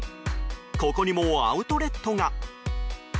ここにもアウトレットが。